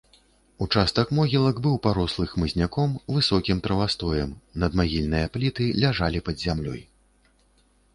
Участак могілак быў парослы хмызняком, высокім травастоем, надмагільныя пліты ляжалі пад зямлёй.